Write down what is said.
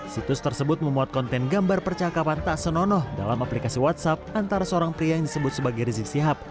situs tersebut memuat konten gambar percakapan tak senonoh dalam aplikasi whatsapp antara seorang pria yang disebut sebagai rizik sihab